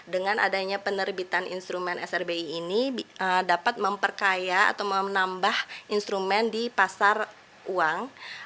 dengan adanya penerbitan instrumen srbi ini dapat memperkaya atau menambah instrumen di pasar uang